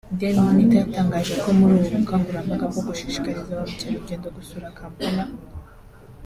Dail monitor yatangaje ko muri ubu bukangarambaga bwo gushishikiriza ba mukerarugendo gusura Kampala